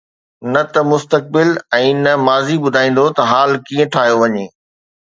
نه ته مستقبل ۽ نه ماضي ٻڌائيندو ته حال ڪيئن ٺاهيو وڃي.